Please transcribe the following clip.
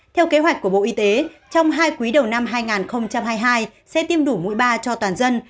theo kế hoạch của bộ y tế trong hai quý đầu năm hai nghìn hai mươi hai sẽ tiêm đủ mũi ba cho toàn dân